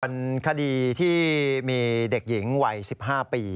เป็นคดีที่มีเด็กหญิงวัย๑๕ปี